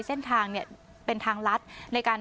เส้นทางเนี่ยเป็นทางลัดในการ